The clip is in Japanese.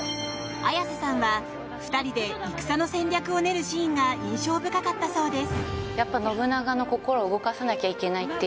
綾瀬さんは２人で戦の戦略を練るシーンが印象深かったそうです。